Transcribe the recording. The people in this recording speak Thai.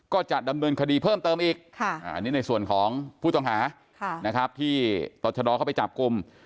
ก็จะดำเนินคดีเพิ่มเติมอีกอันนี้ในส่วนของผู้ต้องหานะครับที่ต่อชะดอเข้าไปจับกลุ่ม